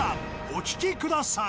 お聴きください。